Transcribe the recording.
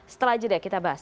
setelah itu kita bahas